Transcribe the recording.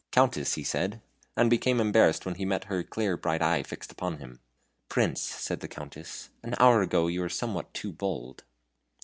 "Countess," he said, and became embarrassed when he met her clear bright eye fixed upon him. "Prince," said the Countess, "an hour ago you were somewhat too bold."